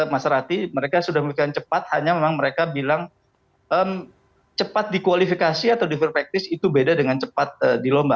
mas rati mereka sudah memiliki cepat hanya memang mereka bilang cepat dikualifikasi atau di free practice itu beda dengan cepat di lomba